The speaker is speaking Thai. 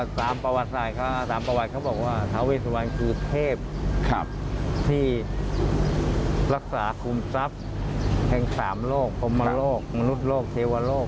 ตามประวัติจะบอกว่าท้าเวสุวรรณคือเทพที่รักษาคุมทรัพย์แห่งสามโรคธรรมโลกมนุษย์โรคเทวโลก